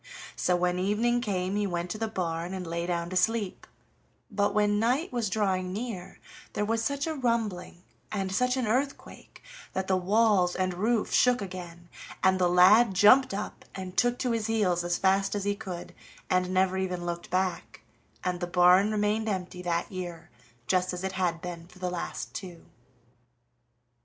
So when evening came he went to the barn, and lay down to sleep, but when night was drawing near there was such a rumbling and such an earthquake that the walls and roof shook again, and the lad jumped up and took to his heels as fast as he could, and never even looked back, and the barn remained empty that year just as it had been for the last two.